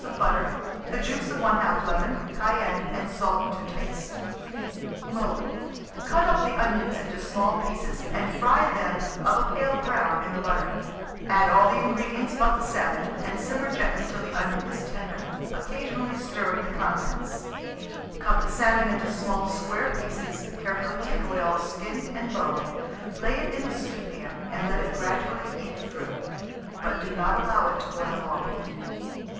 of butter, the juice of 1/2 lemon, cayenne and salt to taste. Mode. Cut up the onions into small pieces, and fry them of a pale brown in the butter; add all the ingredients but the salmon, and simmer gently till the onion is tender, occasionally stirring the contents; cut the salmon into small square pieces, carefully take away all skin and bone, lay it in the stewpan, and let it gradually heat through; but do not allow it to boil long.